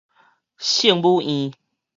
聖母院